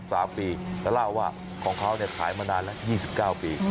แล้วเล่าว่าของเขาเนี่ยขายมานานแล้ว๒๙ปี